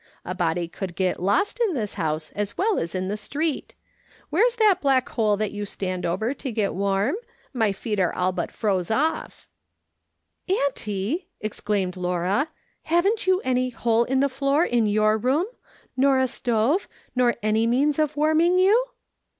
A body could get lost in this house as well as in the street. Where's that black hole that you stand over to get warm ? My feet are all but froze off." " Auntie," exclaimed Laura, " haven't you any ' hole in the floor' in your room, nor a stove, nor any means of warming you